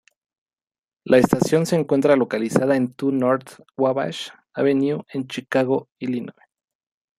La estación se encuentra localizada en Two North Wabash Avenue en Chicago, Illinois.